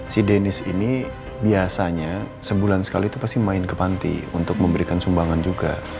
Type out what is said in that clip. si denis ini biasanya sebulan sekali itu pasti main ke panti untuk memberikan sumbangan juga